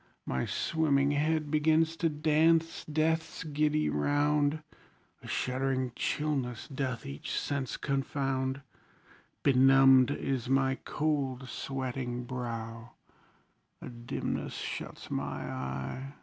My swimming head begins to dance death's giddy round; A shuddering chillness doth each sense confound; Benumbed is my cold sweating brow A dimness shuts my eye.